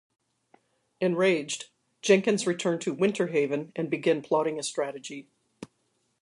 Enraged, Jenkins returned to Winter Haven and began plotting a strategy.